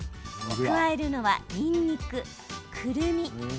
加えるのは、にんにく、くるみ。